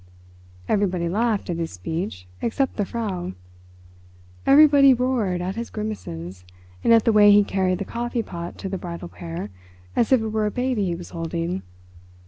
Everybody laughed at his speech, except the Frau; everybody roared at his grimaces, and at the way he carried the coffee pot to the bridal pair, as if it were a baby he was holding.